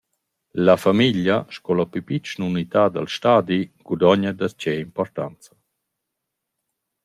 La famiglia sco la plü pitschna unità dal stadi guadogna darcheu importanza.